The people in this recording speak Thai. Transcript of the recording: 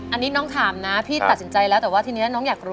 อันนี้น้องถามนะพี่ตัดสินใจแล้วแต่ว่าทีนี้น้องอยากรู้